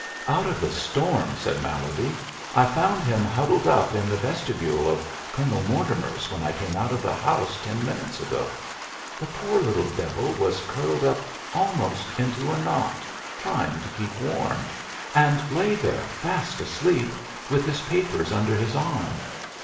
"Out of the storm," said Mallerby. "I found him huddled up in the vestibule of Colonel Mortimer's when I came out of the house ten minutes ago. The poor little devil was curled up almost into a knot, trying to keep warm, and lay there fast asleep, with his papers under his arm.